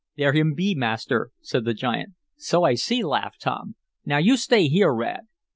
"There him be, Master!" said the giant. "So I see," laughed Tom. "Now you stay here, Rad."